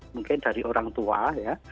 mungkin dari orang tua